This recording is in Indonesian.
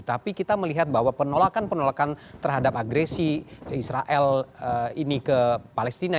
tapi kita melihat bahwa penolakan penolakan terhadap agresi israel ini ke palestina